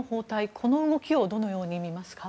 この動きをどのように見ますか？